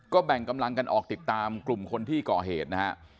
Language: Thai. แบ่งกำลังกันออกติดตามกลุ่มคนที่ก่อเหตุนะฮะ